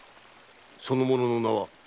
その者の名は？